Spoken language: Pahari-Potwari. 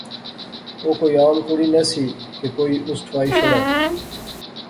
او کوئی ام کڑی نہسی کہ کوئی اس ٹھوائی شوڑے